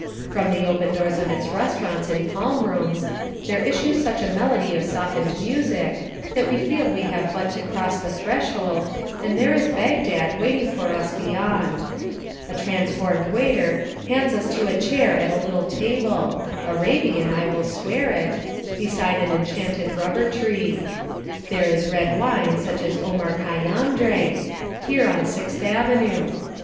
From the open doors of its restaurants and palm rooms, there issues such a melody of softened music that we feel we have but to cross the threshold and there is Bagdad waiting for us beyond. A transformed waiter hands us to a chair at a little table, — Arabian, I will swear it, — beside an enchanted rubber tree. There is red wine such as Omar Khayyam drank, here on Sixth Avenue.